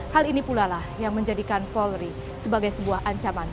hal ini pula lah yang menjadikan polri sebagai sebuah ancaman